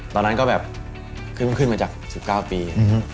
ตอนนั้นก็แบบขึ้นมาจากสุดเก้าปี